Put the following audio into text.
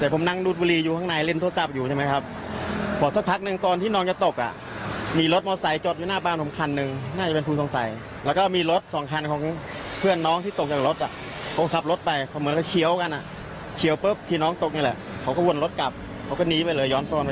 พวกเขามาทำอะไรครับผมแล้วเป็นพวกเดียวกันไหม